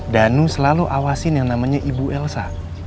danu selalu awasin yang namanya ibu elsa